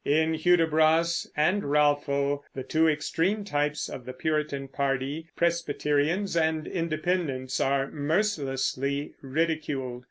In Hudibras and Ralpho the two extreme types of the Puritan party, Presbyterians and Independents, are mercilessly ridiculed.